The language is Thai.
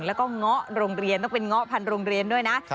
แล้วก็เงาะโรงเรียนต้องเป็นเงาะพันโรงเรียนด้วยนะ